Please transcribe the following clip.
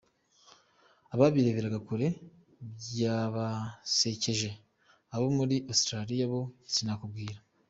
Ababireberaga kure byabasecyeje, abo muri Australia bo sinakubwira.